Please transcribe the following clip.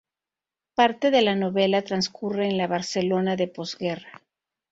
Parte de la novela transcurre en la Barcelona de posguerra.